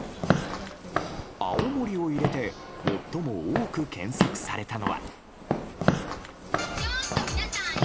青森を入れて最も多く検索されたのは。